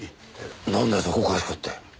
なんだよそこかしこって。